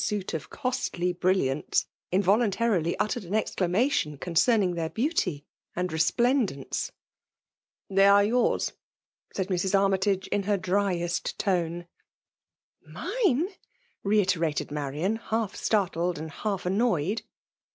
« suit of costly brilliftnts» inToluntarilyuttered an exclamation concerning their beauty and resplendence. " They are yours," said Mrs. Armytage, in her driest tone. *' Mine ¥^ reiterated Marian> half startled and half annoyed.